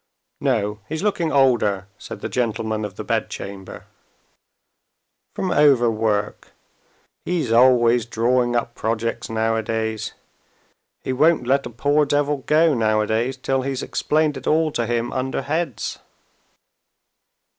"No; he's looking older," said the gentleman of the bedchamber. "From overwork. He's always drawing up projects nowadays. He won't let a poor devil go nowadays till he's explained it all to him under heads."